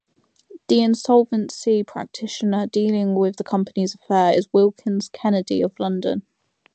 The insolvency practitioner dealing with the companies affairs is Wilkins Kennedy of London.